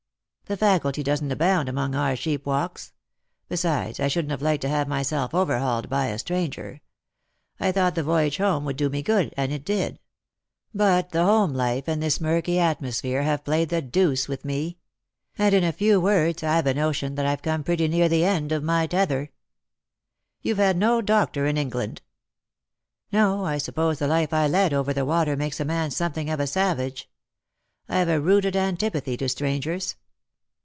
" The faculty doesn't abound among our sheepwalks. Besides, I shouldn't have liked to have myself overhauled by a stranger. I thought the voyage home would do me good, and it did. But the home life and this murky atmosphere have played the deuce with me ; and, in a few words, I've a notion that I've come pretty near the end of my tether." " You've had no doctor in England P "" No. I suppose the life I led over the water makes a man something of a eavage. I've a rooted antipathy to strangers.